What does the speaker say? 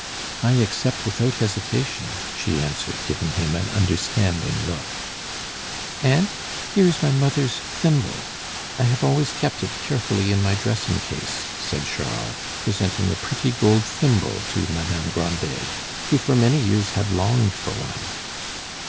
"I accept without hesitation," she answered, giving him an understanding look. "Aunt, here is my mother's thimble; I have always kept it carefully in my dressing case," said Charles, presenting a pretty gold thimble to Madame Grandet, who for many years had longed for one.